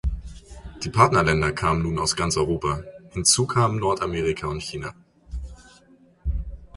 Die Partnerländer kamen nun aus ganz Europa, hinzu kamen Nordamerika und China.